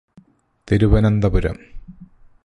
Thiruvananthapuram